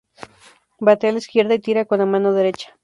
Batea la izquierda y tira con la mano derecha.